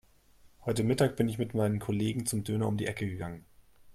Heute Mittag bin ich mit meinen Kollegen zum Döner um die Ecke gegangen.